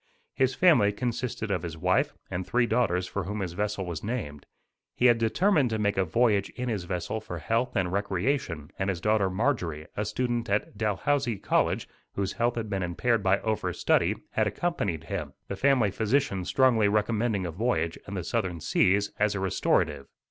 His family consisted of his wife, and three daughters for whom his vessel was named. He had determined to make a voyage in his vessel for health and recreation and his daughter Marjorie, a student at Dalhousie College, whose health had been impaired by overstudy, had accompanied him, the family physician strongly recommending a voyage in the southern seas as a restorative.